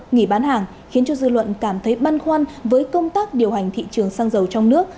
nghỉ bán hàng khiến cho dư luận cảm thấy băn khoăn với công tác điều hành thị trường xăng dầu trong nước